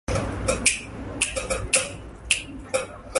The family seat is Bramerton Grange, near Norwich, Norfolk.